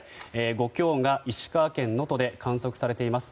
５強が石川県能登で観測されています。